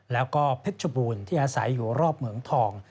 แล้วก็เพชรบูรณ์ที่อาศัยอยู่รอบเหมืองทอง